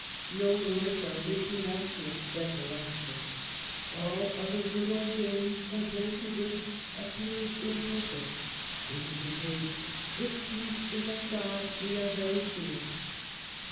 No words are rich enough to express her rapture :" All other good or gain, compared to this, appears imperfect." And she concludes, '' This peace is of God, we are very sure."